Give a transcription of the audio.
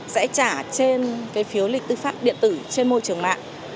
sẽ trả trên cái phiếu lý lịch tư pháp điện tử trên môi trường mạng